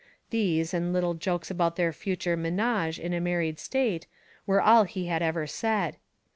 These, and little jokes about their future ménage in a married state, were all he had ever said.